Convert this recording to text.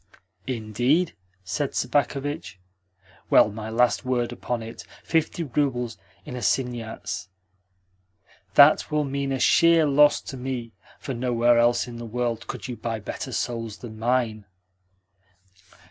"Indeed?" said Sobakevitch. "Well, my last word upon it is fifty roubles in assignats. That will mean a sheer loss to me, for nowhere else in the world could you buy better souls than mine."